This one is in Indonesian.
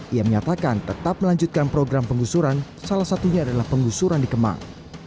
ia menyatakan tetap melanjutkan program penggusuran salah satunya adalah penggusuran di kemang